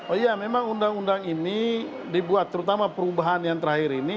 oh iya memang undang undang ini dibuat terutama perubahan yang terakhir ini